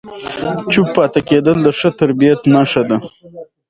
هېواد له ډېرو کړاوونو سره مخ دی